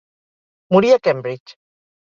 Morí a Cambridge.